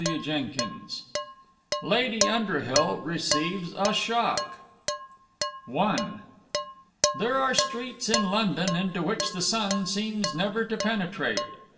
CHAPTER V LADY UNDERHILL RECEIVES A SHOCK I There are streets in London into which the sun seems never to penetrate.